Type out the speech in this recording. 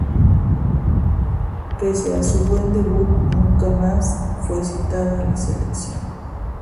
Pese a su buen debut nunca más fue citado a la selección.